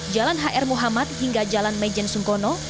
jalan hr muhammad hingga jalan mejen sungkono